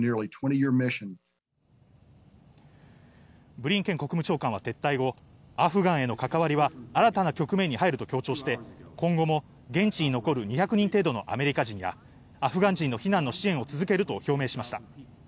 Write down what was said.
ブリンケン国務長官は撤退後、アフガンへの関わりは新たな局面に入ると強調して、今後も現地に残る２００人程度のアメリカ人やアフガン人の避難の支援を続けると表明しました。